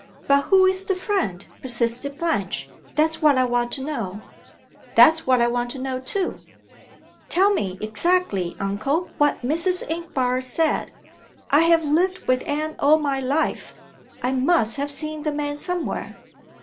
"But who is the friend?" persisted Blanche. "That's what I want to know." "That's what I want to know, too." "Tell me exactly, uncle, what Mrs. Inchbare said. I have lived with Anne all my life. I must have seen the man somewhere."